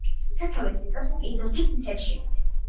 სათავეს იღებს პინდოსის მთებში.